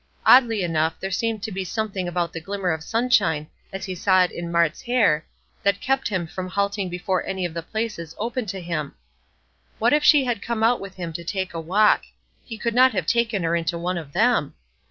Oddly enough there seemed to be something about the glimmer of sunshine as he saw it in Mart's hair that kept him from halting before any of the places open to him. What if she had come out with him to take a walk; he could not have taken her into one of them!